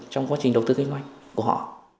trong quá trình đầu tư kinh doanh của họ